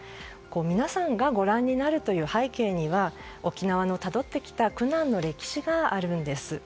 皆さんがご覧になるという背景には沖縄のたどってきた苦難の歴史があるんです。